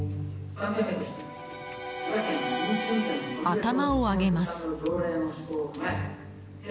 頭を上げます。